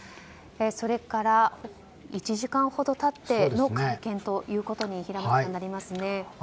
それから１時間ほど経っての会見ということになりますね。